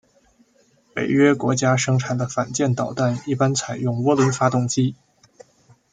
北约国家生产的反舰导弹一般采用涡轮发动机。